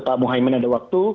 pak muhaymin ada waktu